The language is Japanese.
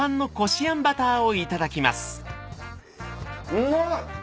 うまい！